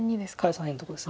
左辺のとこです。